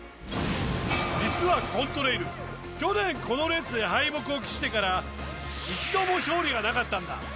去年このレースで敗北を喫してから一度も勝利がなかったんだ。